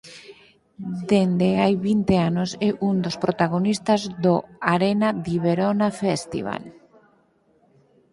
Dende hai vinte anos é un dos protagonistas do "Arena di Verona Festival".